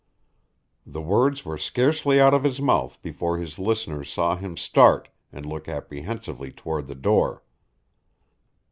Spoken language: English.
The words were scarcely out of his mouth before his listeners saw him start and look apprehensively toward the door.